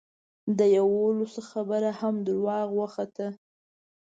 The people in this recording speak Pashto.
د یوولسو خبره هم دروغه وخته.